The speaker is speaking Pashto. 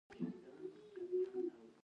زه بې هغې نړۍ نشم تصور کولی